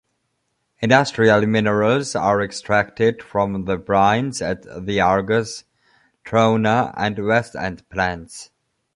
Industrial minerals are extracted from the brines at the Argus, Trona and Westend plants.